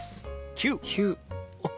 ９。